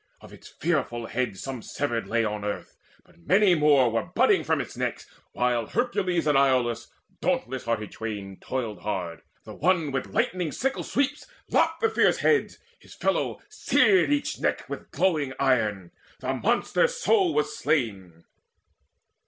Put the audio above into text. Of its fearful heads Some severed lay on earth, but many more Were budding from its necks, while Hercules And Iolaus, dauntless hearted twain, Toiled hard; the one with lightning sickle sweeps Lopped the fierce heads, his fellow seared each neck With glowing iron; the monster so was slain.